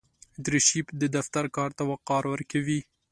دریشي د دفتر کار ته وقار ورکوي.